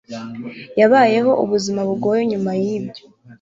yabayeho ubuzima bugoye nyuma yibyo